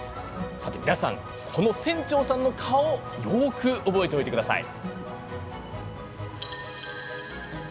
皆さん、この船長さんの顔よく覚えておいてください。